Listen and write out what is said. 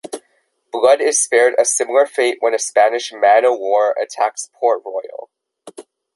Blood is spared a similar fate when a Spanish man-o-war attacks Port Royal.